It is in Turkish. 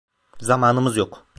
Zamanımız yok.